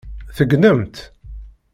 Tegnemt?